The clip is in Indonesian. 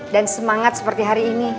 dan semangat seperti hari ini